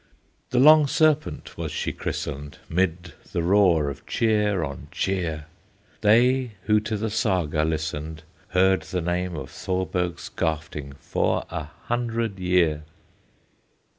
The Long Serpent was she christened, 'Mid the roar of cheer on cheer! They who to the Saga listened Heard the name of Thorberg Skafting For a hundred year!